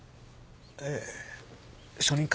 ええ初任科